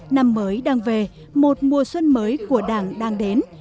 năm mới đang về một mùa xuân mới của đảng đang đến